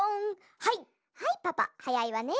はいパパはやいわね。